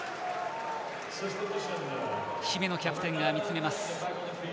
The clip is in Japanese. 姫野キャプテンが見つめます。